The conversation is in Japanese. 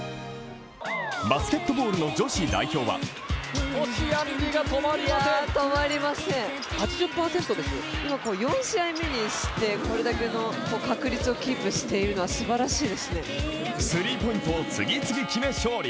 バスケットボールの女子代表はスリーポイントを次々決め勝利。